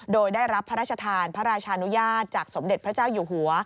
โดยได้รับพระราชทานพระราชานุญาตจากสมเด็จพระเจ้าอยู่หัว